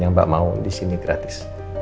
yang mbak mau di sini gratis